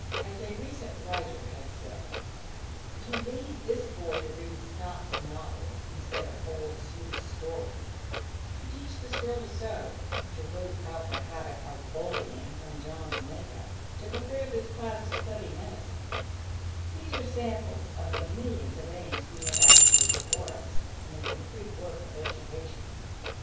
As a recent writer has said: "To lead this boy to read Scott's novels instead of old Sleuth's stories; to teach this girl to sew; to root out the habit of bullying from John's make up; to prepare this class to study medicine, these are samples of the millions of aims we have actually before us in the concrete work of education."